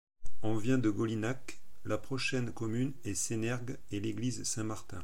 On vient de Golinhac, la prochaine commune est Sénergues et l'église Saint-Martin.